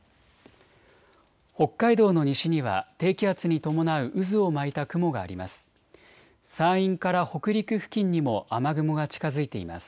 北海道の西には低気圧に伴う渦を巻いた雲があります。